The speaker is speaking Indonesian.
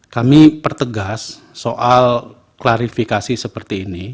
kami pertegas soal klarifikasi seperti ini